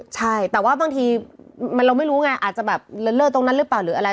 ใช่แต่ว่าบางทีเราไม่รู้ไงอาจจะแบบเลิศตรงนั้นหรือเปล่าหรืออะไร